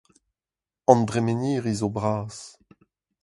An dremeniri zo bras.